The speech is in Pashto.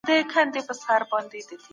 شخصي ملکیت به په اسلامي چوکاټ کي ساتل کېږي.